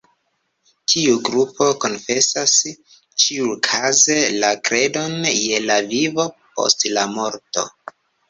Tiu grupo konfesas ĉiukaze la kredon je la vivo post la morto.